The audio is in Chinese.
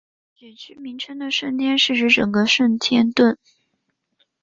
选区名称的顺天是指整个顺天邨。